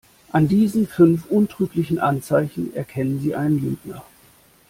An diesen fünf untrüglichen Anzeichen erkennen Sie einen Lügner.